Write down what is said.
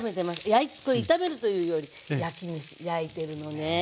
これ炒めるというより焼きめし焼いてるのね。